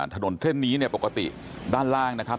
ถนนเส้นนี้เนี่ยปกติด้านล่างนะครับ